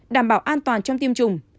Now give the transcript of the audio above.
đảm bảo an toàn trong tiêm chủng